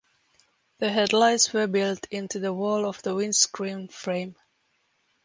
The headlights were built into the wall of the windscreen frame.